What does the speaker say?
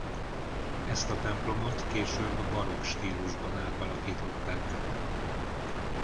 Ezt a templomot később barokk stílusban átalakították.